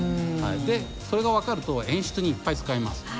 でそれが分かると演出にいっぱい使えます。